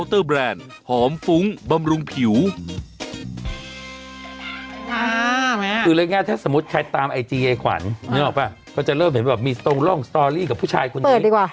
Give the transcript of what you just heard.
ถ้าสมมุติใครตามไอจีไอขวัญเขาจะเริ่มเห็นว่ามีตรงร่องสตอรี่กับผู้ชายคนนี้